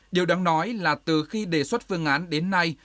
điều đáng nói là từ khi đề xuất phương án đến nay